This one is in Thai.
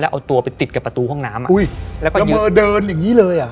แล้วเอาตัวไปติดกับประตูห้องน้ำอุ้ยละเมอเดินอย่างนี้เลยอ่ะ